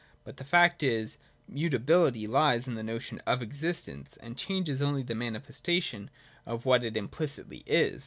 But the fact is, mutabihty lies in the notion of existence, and change is only the manifestation of what it implicitly is.